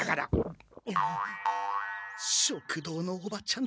食堂のおばちゃん